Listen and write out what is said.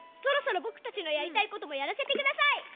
そろそろぼくたちのやりたいこともやらせてください。